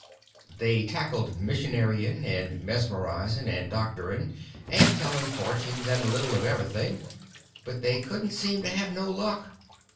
They tackled missionarying, and mesmerizing, and doctoring, and telling fortunes, and a little of everything; but they couldn't seem to have no luck.